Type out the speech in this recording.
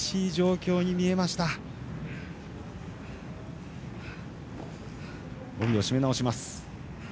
帯を締め直します。